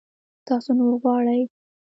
تاسو نور غواړئ؟